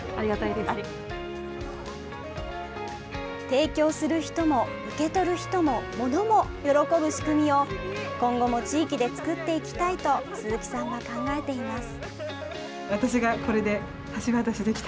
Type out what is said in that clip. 提供する人も受け取る人も物も喜ぶ仕組みを今後も地域で作っていきたいと鈴木さんは考えています。